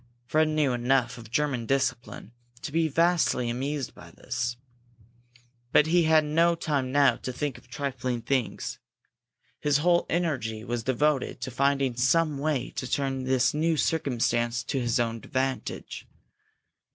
Fred knew enough of German discipline to be vastly amused by this. But he had no time now to think of trifling things. His whole energy was devoted to finding some way to turn this new circumstance to his own advantage.